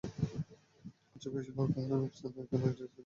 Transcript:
চার বছর বয়সেই বাবাকে হারানো আফসানা এখন আইডিয়াল স্কুলের নবম শ্রেণির ছাত্রী।